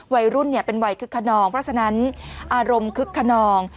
วัยรุ่นเป็นวัยคึกขนองเพราะฉะนั้นอารมณ์คึกขนอง